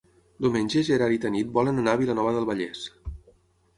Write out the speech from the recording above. Diumenge en Gerard i na Tanit volen anar a Vilanova del Vallès.